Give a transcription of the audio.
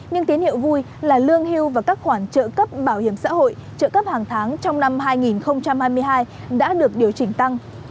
nhưng tín hiệu vui là lương hưu và các khoản trợ cấp bảo hiểm xã hội trợ cấp hàng tháng trong năm hai nghìn hai mươi hai đã được điều chỉnh tăng